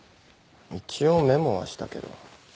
一応メモはしたけど。